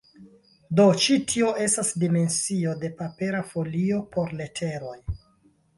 Do ĉi tio estas dimensio de papera folio por leteroj.